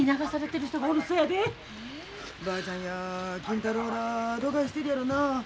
ばあちゃんや金太郎らどがいしてるやろなあ。